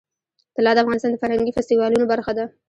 طلا د افغانستان د فرهنګي فستیوالونو برخه ده.